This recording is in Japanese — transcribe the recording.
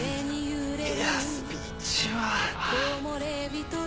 いやスピーチは。